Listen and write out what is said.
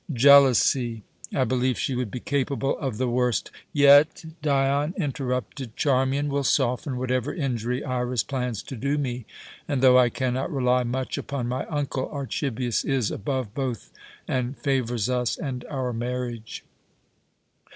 Jealousy! I believe she would be capable of the worst " "Yet," Dion interrupted, "Charmian will soften whatever injury Iras plans to do me, and, though I cannot rely much upon my uncle, Archibius is above both and favours us and our marriage."